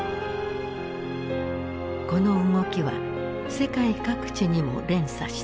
この動きは世界各地にも連鎖した。